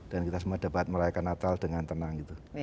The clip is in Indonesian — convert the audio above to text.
dan kita semua dapat merayakan natal dengan tenang gitu